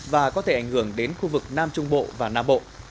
và có thể ảnh hưởng đến khu vực nam trung bộ và nam bộ